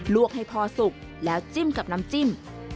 วกให้พอสุกแล้วจิ้มกับน้ำจิ้ม